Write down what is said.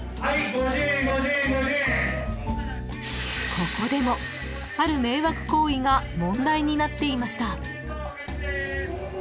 ［ここでもある迷惑行為が問題になっていました］